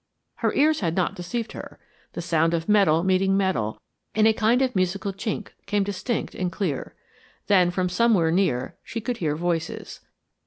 Her ears had not deceived her; the sound of metal meeting metal in a kind of musical chink came distinct and clear. Then from somewhere near she could hear voices.